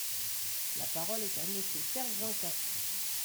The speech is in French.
La parole est à Monsieur Serge Janquin.